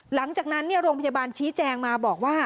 หลังจากนั้นโรงพยาบาลชี้แจงมาบอกว่า